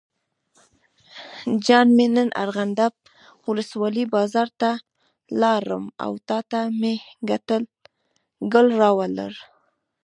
جان مې نن ارغنداب ولسوالۍ بازار ته لاړم او تاته مې ګل راوړل.